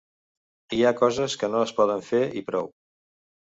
Hi ha coses que no es poden fer i prou!